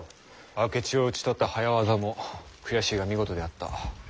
明智を討ち取った早業も悔しいが見事であった。